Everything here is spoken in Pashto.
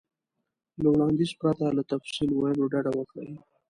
له وړاندیز پرته له تفصیل ویلو ډډه وکړئ.